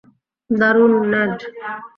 দারুণ, নেড!